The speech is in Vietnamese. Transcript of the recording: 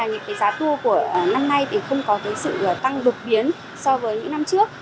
những cái giá tour của năm nay thì không có cái sự tăng đột biến so với những năm trước